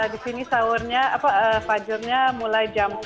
di sini fajurnya mulai jam empat